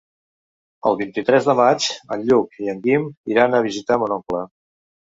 El vint-i-tres de maig en Lluc i en Guim iran a visitar mon oncle.